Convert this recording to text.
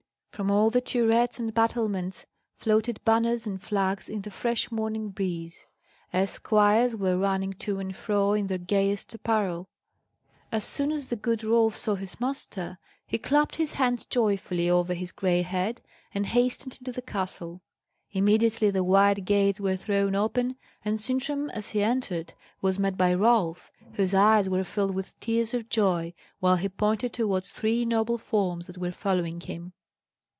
From all the turrets and battlements floated banners and flags in the fresh morning breeze: esquires were running to and fro in their gayest apparel. As soon as the good Rolf saw his master, he clapped his hands joyfully over his grey head, and hastened into the castle. Immediately the wide gates were thrown open; and Sintram, as he entered, was met by Rolf, whose eyes were filled with tears of joy while he pointed towards three noble forms that were following him.